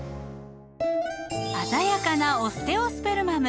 鮮やかなオステオスペルマム。